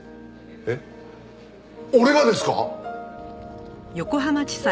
えっ？俺がですか！？